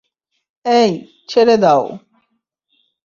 এই, ছেড়ে দাও।